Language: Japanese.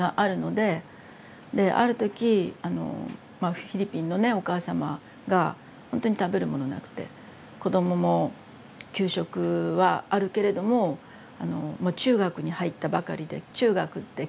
である時あのフィリピンのお母様がほんとに食べるものなくて子どもも給食はあるけれども中学に入ったばかりで中学って給食ありません。